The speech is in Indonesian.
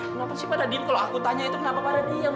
kenapa sih pada diem kalau aku tanya itu kenapa pada diem